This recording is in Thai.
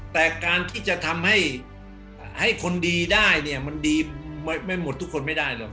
แต่การที่จะทำให้คนดีได้เนี่ยมันดีไม่หมดทุกคนไม่ได้หรอก